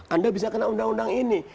anda bisa kena undang undang ini